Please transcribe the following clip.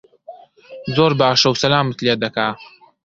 زۆر باشە و سەلامت لێ دەکا